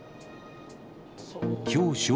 きょう正